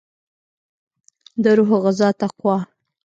دروح غذا تقوا